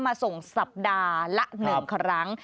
มาส่งสัปดาห์ละ๑ครั้ง